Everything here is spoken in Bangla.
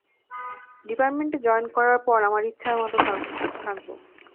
ডিপার্টমেন্টে জয়েন করার পর আপনার ইচ্ছা মতো থাকব।